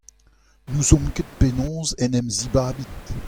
N'ouzomp ket penaos en em zibabint